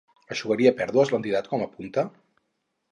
Eixugaria pèrdues, l’entitat, com apunta?